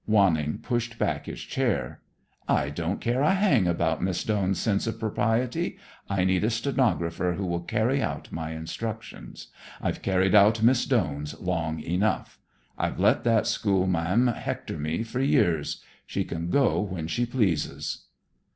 Wanning pushed back his chair. "I don't care a hang about Miss Doane's sense of propriety. I need a stenographer who will carry out my instructions. I've carried out Miss Doane's long enough. I've let that schoolma'am hector me for years. She can go when she pleases."